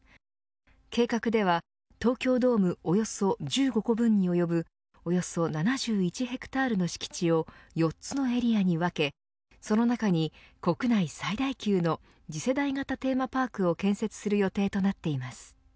計画では東京ドームおよそ１５個分に及ぶおよそ７１ヘクタールの敷地を４つのエリアに分けその中に、国内最大級の次世代型テーマパークを建設する予定となっています。